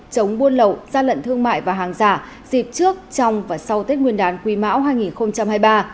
chống buôn lậu gian lận thương mại và hàng giả dịp trước trong và sau tết nguyên đán quý mão hai nghìn hai mươi ba